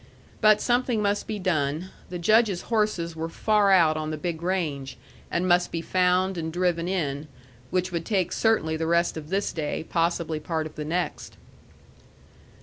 But something must be done. The Judge's horses were far out on the big range, and must be found and driven in, which would take certainly the rest of this day, possibly part of the next.